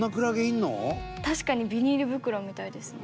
「確かにビニール袋みたいですね」